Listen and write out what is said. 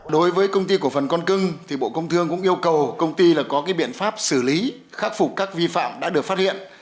đối với công ty cổ phần con cưng thì bộ công thương cũng yêu cầu công ty là có cái biện pháp xử lý khắc phục các vi phạm đã được phát hiện